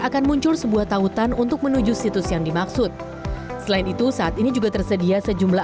akan muncul sebuah tautan untuk menuju situs yang dimaksud selain itu saat ini juga tersedia sejumlah